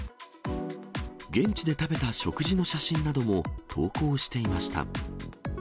現地で食べた食事の写真なども投稿していました。